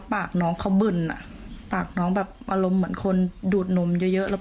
ปากน้องเขาเบิ่นอ่ะปากน้องแบบอารมณ์เหมือนคนดูดนมเยอะเยอะแล้ว